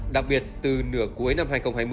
đặc biệt từ nửa cuối năm hai nghìn hai mươi